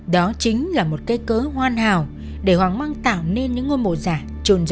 đó chính là một cây cớ hoàn hảo để hoàng măng tạo nên những ngôi mộ giả trồn dấu vũ khí điện đài ở nghĩa địa cây thông